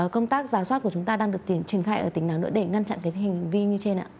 công tác giả soát của chúng ta đang được trừng khai ở tỉnh nào nữa để ngăn chặn cái hành vi như trên ạ